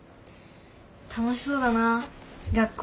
楽しそうだなあ学校。